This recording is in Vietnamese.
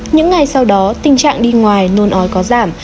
những ngày sau đó tình trạng đi ngoài nôn ói có giảm